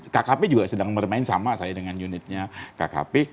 kkp juga sedang bermain sama saya dengan unitnya kkp